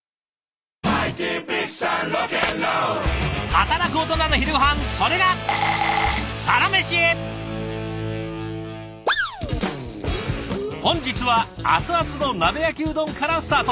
働くオトナの昼ごはんそれが本日は熱々の鍋焼きうどんからスタート。